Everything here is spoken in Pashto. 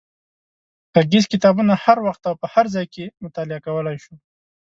غږیز کتابونه هر وخت او په هر ځای کې مطالعه کولای شو.